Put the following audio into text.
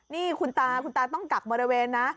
นี่คุณตาคุณตาต้องกักบริเวณนะ